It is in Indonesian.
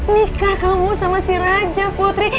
nikah kamu sama si raja putri